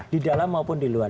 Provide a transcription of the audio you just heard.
di dalam maupun di luar